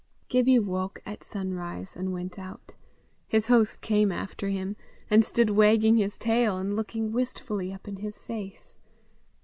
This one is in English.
Gibbie woke at sunrise and went out. His host came after him, and stood wagging his tail and looking wistfully up in his face.